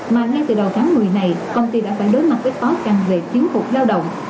mà ngay từ đầu tháng một mươi này công ty đã phải đối mặt với tói căng về kiếm hụt lao động